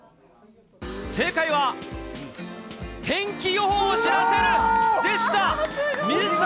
正解は、天気予報を知らせるでした。